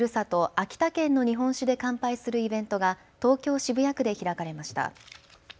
秋田県の日本酒で乾杯するイベントが東京渋谷区で開かれました。